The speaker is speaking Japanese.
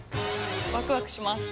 ワクワクします。